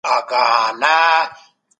راتلونکي ننګوني به څه وي؟